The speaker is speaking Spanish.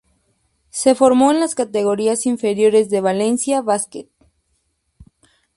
Se formó en las categorías inferiores del Valencia Basket.